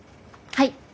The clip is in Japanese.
はい。